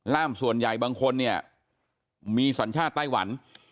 ส่วนใหญ่บางคนเนี่ยมีสัญชาติไต้หวัน